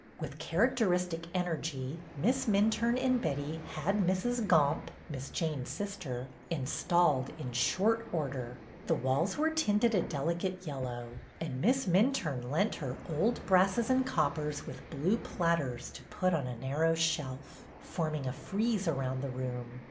With characteristic energy Miss Minturne and Betty had Mrs. Gomp, Miss Jane's sister, installed in short order. The walls were tinted a delicate yellow, and Miss Minturne lent her old brasses and coppers with blue platters to put on a narrow shelf, forming a frieze around the room.